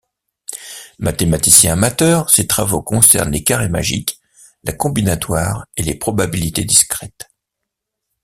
Mathématicien amateur, ses travaux concernent les carrés magiques, la combinatoire et les probabilités discrètes.